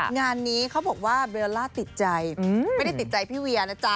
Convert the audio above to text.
งานนี้เขาบอกว่าเบลล่าติดใจไม่ได้ติดใจพี่เวียนะจ๊